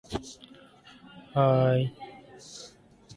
Two weeks later Cotterill publicly turned down the job.